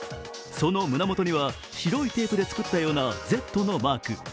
その胸元には、白いテープで作ったような「Ｚ」のマーク。